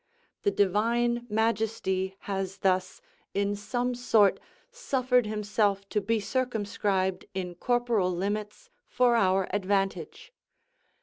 The divine majesty has thus, in some sort, suffered himself to be circumscribed in corporal limits for our advantage.